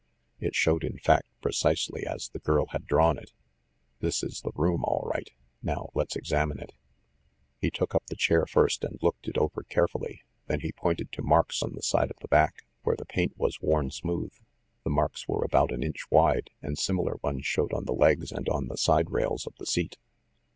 It showed, in fact, precisely as the girl had drawn it. "This is the room, all right. Now let's examine it." He took up the chair first, and looked it over care fully. Then he pointed to marks on the sides of the back, where the paint was worn smooth. The marks were about an inch wide, and similar ones showed on the legs and on the side rails of the seat.